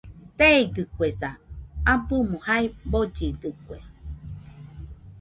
Teeidɨkuesa, abɨmo jae bollidɨkue